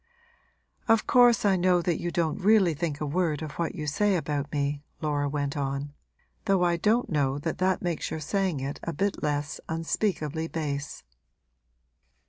'Of course I know that you don't really think a word of what you say about me,' Laura went on; 'though I don't know that that makes your saying it a bit less unspeakably base.'